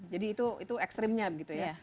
jadi itu ekstrimnya gitu ya